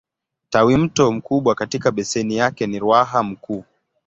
Tawimto mkubwa katika beseni yake ni Ruaha Mkuu.